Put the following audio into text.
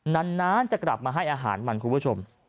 นานจะกลับมาให้อาหารมันคุณผู้ชม